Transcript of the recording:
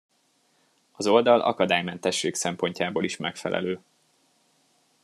Az oldal akadálymentesség szempontjából is megfelelő.